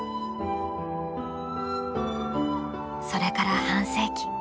それから半世紀。